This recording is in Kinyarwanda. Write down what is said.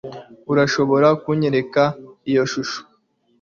urashobora kunyereka iyo shusho